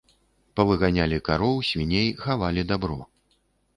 Павыганялі кароў, свіней, хавалі дабро.